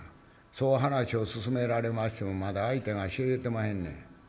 そう話を進められましてもまだ相手が知れてまへんねん」。